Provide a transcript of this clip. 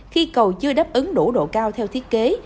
khi cầu chưa đáp ứng đủ độ cao theo thiết kế